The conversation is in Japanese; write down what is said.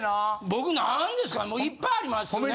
僕なんですかいっぱいありますね。